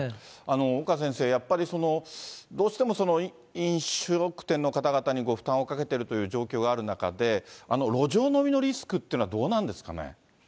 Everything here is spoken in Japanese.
岡先生、やっぱりどうしても飲食店の方々にご負担をかけているという状況がある中で、あの路上飲みのリスクというのはどうなんですかね。